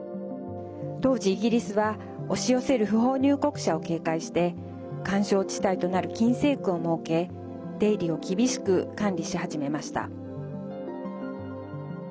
当時、イギリスは押し寄せる不法入国者を警戒して緩衝地帯となる禁制区を設け出入りを厳しく管理し始めました。